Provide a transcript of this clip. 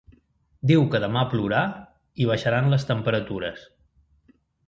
Diu que demà plourà i baixaran les temperatures.